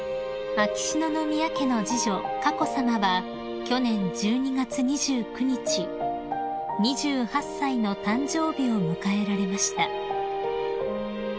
［秋篠宮家の次女佳子さまは去年１２月２９日２８歳の誕生日を迎えられました］